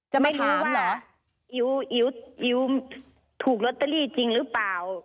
จะไม่คือว่าอิ๋วถูกลอตเตอรี่จริงหรือเปล่า